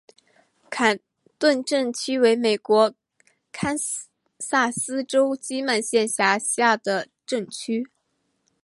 坎顿镇区为美国堪萨斯州金曼县辖下的镇区。